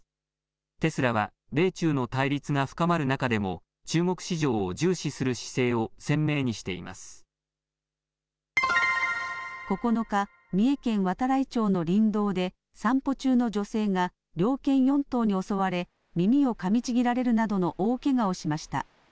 テスラは、米中の対立が深まる中でも、中国市場を重視する姿勢を鮮明にして９日、三重県度会町の林道で、散歩中の女性が猟犬４頭に襲われ、耳をかみちぎられるなどの大けがをしました。